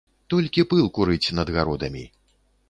Толькі пыл курыць над гародамі.